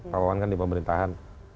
pak wawan kan di pemerintahan